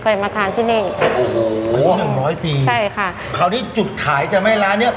มาทานที่นี่โอ้โหหนึ่งร้อยปีใช่ค่ะคราวนี้จุดขายจะไม่ร้านเนี้ย